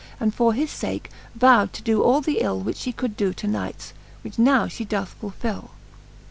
And for his fake vow'd to doe all the ill, Which fhe could doe to knights, which now fhe doth fulfill.